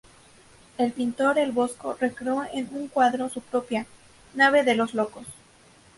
El pintor El Bosco recreó en un cuadro su propia "nave de los locos".